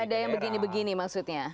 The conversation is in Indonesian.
ada yang begini begini maksudnya